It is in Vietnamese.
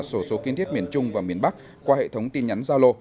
sổ số kiên thiết miền trung và miền bắc qua hệ thống tin nhắn giao lô